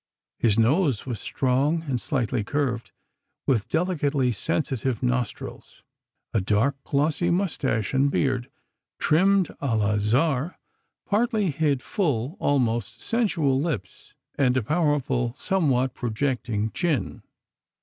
His nose was strong and slightly curved, with delicately sensitive nostrils. A dark glossy moustache and beard trimmed à la Tsar, partly hid full, almost sensual lips and a powerful somewhat projecting chin.